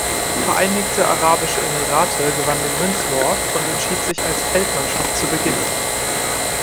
Vereinigte Arabische Emirate gewann den Münzwurf und entschied sich als Feldmannschaft zu beginnen.